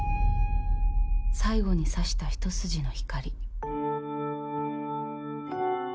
最後に差したひと筋の光。